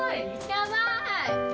やばーい。